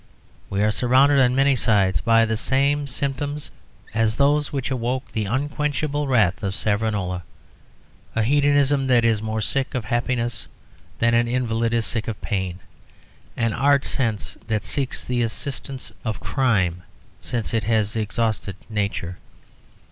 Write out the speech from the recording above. We are surrounded on many sides by the same symptoms as those which awoke the unquenchable wrath of Savonarola a hedonism that is more sick of happiness than an invalid is sick of pain, an art sense that seeks the assistance of crime since it has exhausted nature.